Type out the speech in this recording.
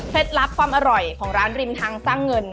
ลับความอร่อยของร้านริมทางสร้างเงิน